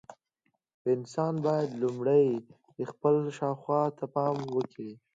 انسان باید لومړی خپل شاوخوا ته پام وکړي.